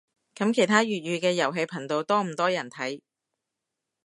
噉其他粵語嘅遊戲頻道多唔多人睇